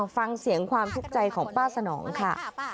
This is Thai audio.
ฟังเสียงความทุกข์ใจของป้าสนองค่ะ